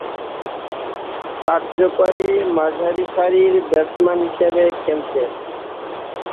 কার্যকরী মাঝারিসারির ব্যাটসম্যান হিসেবে খেলতেন।